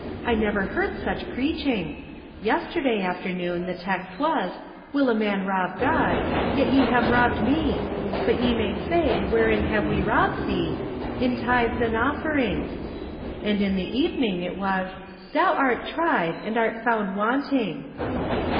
I never heard such preaching. Yesterday afternoon the text was :' Will a man rob God ? Yet ye have robbed me. But ye may say. Wherein have we robbed thee ? In tithes and offerings.' And in From Different Standpoints. 327 the evening it was :' Thou art tried, and art found wanting